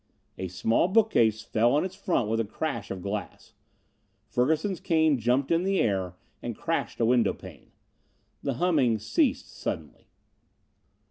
A small bookcase fell on its front with a crash of glass. Ferguson's cane jumped in the air and crashed a window pane. The humming ceased suddenly.